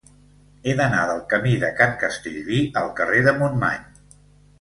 He d'anar del camí de Can Castellví al carrer de Montmany.